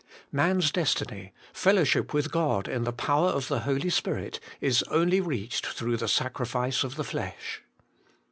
Man's destiny, fellowship with God in the power of the Holy Spirit, is only reached through the sacrifice of the flesh.